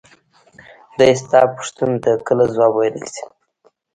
دى د تا پوښتنو ته کله ځواب ويلاى شي.